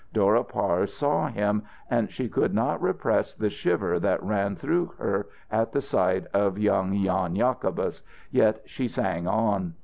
Dora Parse saw him, and she could not repress the shiver that ran through her at the sight of young Jan Jacobus, yet she sang on.